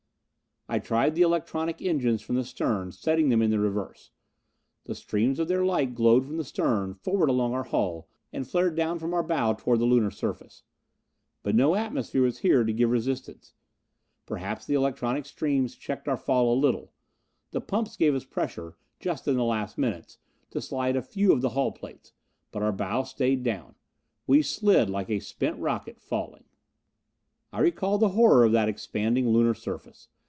I tried the electronic engines from the stern, setting them in the reverse. The streams of their light glowed from the stern, forward along our hull, and flared down from our bow toward the Lunar surface. But no atmosphere was here to give resistance. Perhaps the electronic streams checked our fall a little. The pumps gave us pressure, just in the last minutes, to slide a few of the hull plates. But our bow stayed down. We slid, like a spent rocket falling. I recall the horror of that expanding Lunar surface.